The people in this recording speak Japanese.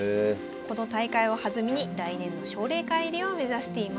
この大会を弾みに来年の奨励会入りを目指しています。